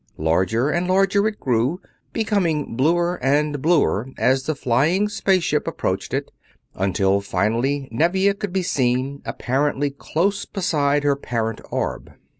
Larger and larger it grew, becoming bluer and bluer as the flying space ship approached it, until finally Nevia could be seen, apparently close beside her parent orb.